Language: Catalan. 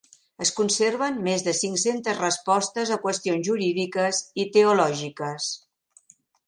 Es conserven més de cinc-centes respostes a qüestions jurídiques i teològiques.